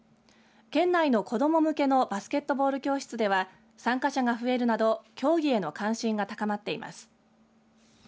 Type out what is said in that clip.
県内の子ども向けのバスケットボール教室では参加者が増えるなど競技への関心が高まっています。